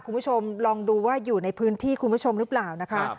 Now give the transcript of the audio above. คุณผู้ชมลองดูว่าอยู่ในพื้นที่คุณผู้ชมหรือเปล่านะคะ